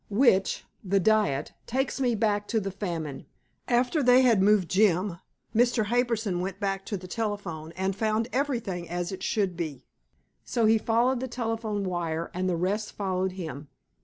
Which the diet takes me back to the famine. After they had moved Jim, Mr. Harbison went back to the telephone, and found everything as it should be. So he followed the telephone wire, and the rest followed him.